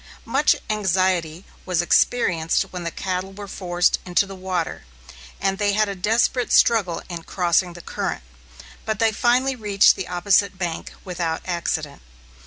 Much anxiety was experienced when the cattle were forced into the water, and they had a desperate struggle in crossing the current; but they finally reached the opposite bank without accident.